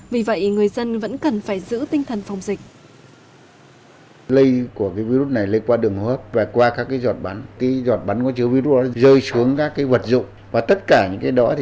vì vậy người dân vẫn cần phải giữ tinh thần phòng dịch